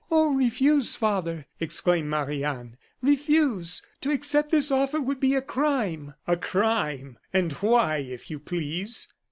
"Oh! refuse, father!" exclaimed Marie Anne; "refuse. To accept this offer would be a crime!" "A crime! And why, if you please?"